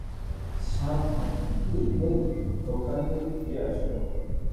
সাবধানে, hey hey, ওখান থেকে ফিরে আসো।